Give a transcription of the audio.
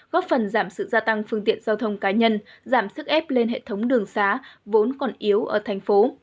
góp phần giảm sự gia tăng phương tiện giao thông cá nhân giảm sức ép lên hệ thống đường xá vốn còn yếu ở thành phố